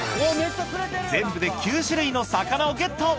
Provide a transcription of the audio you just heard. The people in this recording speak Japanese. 全部で９種類の魚をゲット！